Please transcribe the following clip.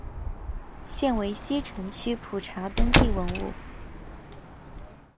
现为西城区普查登记文物。